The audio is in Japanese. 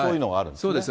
そうです。